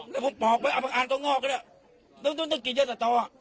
ด้วยอันตรงอกต้องต้องกินเยอะสะตอ